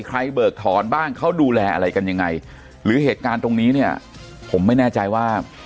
เบิกถอนบ้างเขาดูแลอะไรกันยังไงหรือเหตุการณ์ตรงนี้เนี่ยผมไม่แน่ใจว่า